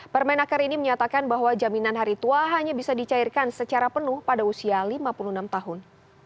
permenaker ini menyatakan bahwa jaminan hari tua hanya bisa dicairkan secara penuh pada usia lima puluh enam tahun